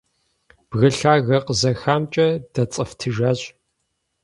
Бгы лъагэ къызэхамкӀэ дэцӀэфтыжащ.